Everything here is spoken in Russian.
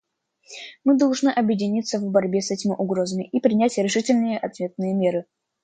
Мы должны объединиться в борьбе с этими угрозами и принять решительные ответные меры.